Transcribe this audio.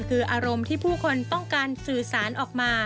คืออารมณ์ที่ผู้คนต้องการสื่อสารออกมา